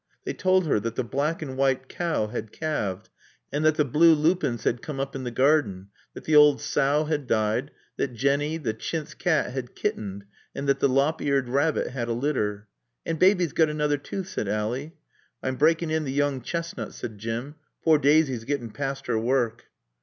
They told her that the black and white cow had calved, and that the blue lupins had come up in the garden, that the old sow had died, that Jenny, the chintz cat, had kittened and that the lop eared rabbit had a litter. "And Baby's got another tooth," said Ally. "I'm breaakin' in t' yoong chestnut," said Jim. "Poor Daasy's gettin' paasst 'er work."